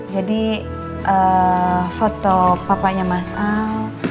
jadi foto papanya mas al